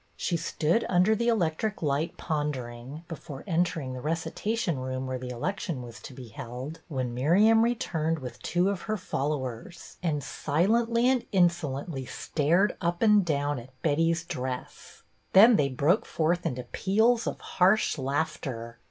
She stood under the electric light pondering, before entering the recita tion room where the election was to be held, when Miriam returned with two of her fol lowers, and silently and insolently stared up and down at Betty's dress ; then they broke forth into peals of harsh laughter.